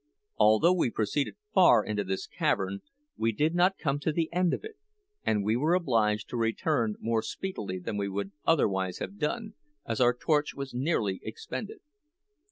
Although we proceeded far into this cavern, we did not come to the end of it; and we were obliged to return more speedily than we would otherwise have done, as our torch was nearly expended.